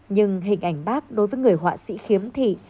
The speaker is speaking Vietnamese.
nhưng hình ảnh bác đối với người họa sĩ khiếm thị